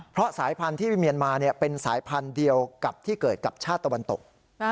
เพราะสายพันธุ์ที่เมียนมาเป็นสายพันธุ์เดียวกับที่เกิดกับชาติตะวันตก